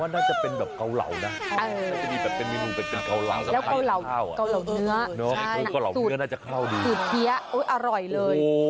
แล้วก้าวเหล่าเนื้อตุ๊กเทียร์อร่อย